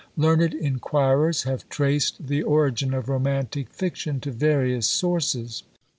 Learned inquirers have traced the origin of romantic fiction to various sources.